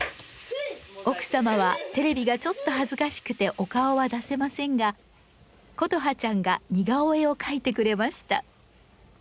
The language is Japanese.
奥さまはテレビがちょっと恥ずかしくてお顔は出せませんが琴葉ちゃんが似顔絵を描いてくれました。